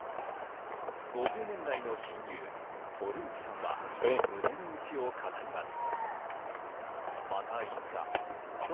５０年来の親友、堀内さんは胸の内を語ります。